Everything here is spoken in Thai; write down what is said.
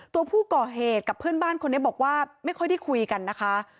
ตัวผู้ก่อเหตุกับเพื่อนบ้านคนนี้บอกว่าไม่ค่อยได้คุยกันนะคะ